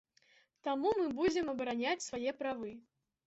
Таму мы будзем абараняць свае правы.